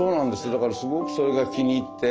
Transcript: だからすごくそれが気に入って。